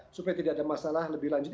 supaya tidak ada masalah lebih lanjut